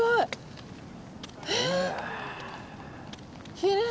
きれい。